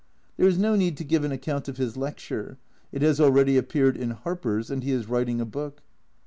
There is no need to give an account of his lecture it has already appeared in Harper's, and he is writing a book.